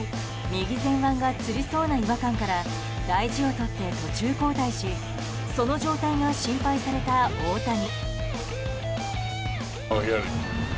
右前腕がつりそうな違和感から大事をとって、途中交代しその状態が心配された大谷。